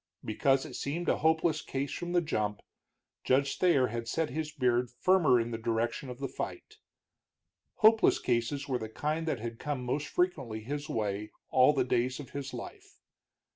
Because it seemed a hopeless case from the jump, Judge Thayer had set his beard firmer in the direction of the fight. Hopeless cases were the kind that had come most frequently his way all the days of his life.